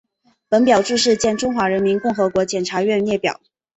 本表注释见中华人民共和国检察院列表。